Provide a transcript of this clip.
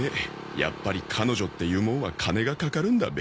やっぱり彼女っていうもんは金がかかるんだべ。